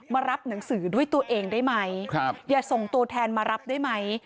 รับหนังสือด้วยตัวเองได้ไหมอย่าส่งตัวแทนมารับได้ไหม